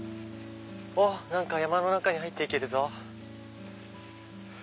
何か山の中に入って行けるぞ。